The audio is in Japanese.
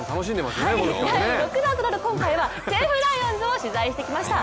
第６弾となる今回は西武ライオンズを取材してきました。